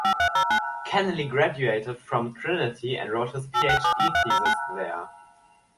Kennelly graduated from Trinity and wrote his PhD thesis there.